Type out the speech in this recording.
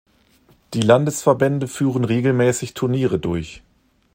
Die Landesverbände führen regelmäßig Turniere durch.